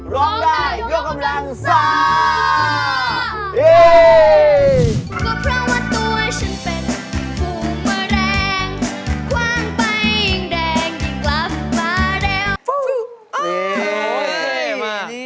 ร้องได้ยกกำลังซ่า